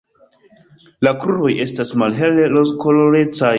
La kruroj estas malhele rozkolorecaj.